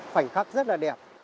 khoảnh khắc rất là đẹp